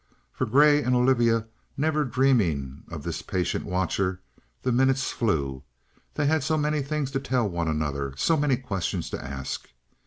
For Grey and Olivia, never dreaming of this patient watcher, the minutes flew; they had so many things to tell one another, so many questions to ask.